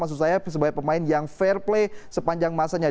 maksud saya sebagai pemain yang fair play sepanjang masanya